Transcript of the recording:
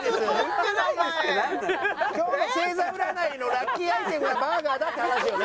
今日の星座占いのラッキーアイテムがバーガーだって話よね。